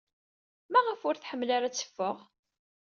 Maɣef ur tḥemmel ara ad teffeɣ?